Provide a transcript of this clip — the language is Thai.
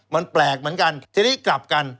มันแปลกเหมือนกัน